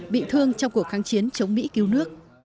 bị thương trong cuộc kháng chiến chống mỹ cứu nước